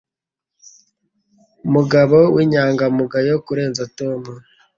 mugabo w'inyangamugayo kurenza Tom.